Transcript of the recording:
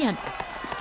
chính ông từng thấu nhận